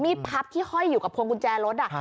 พับที่ห้อยอยู่กับพวงกุญแจรถ